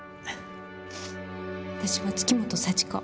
私は月本幸子。